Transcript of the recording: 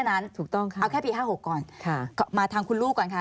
เอาแค่ปี๕๖ก่อนมาทางคุณลูกก่อนค่ะ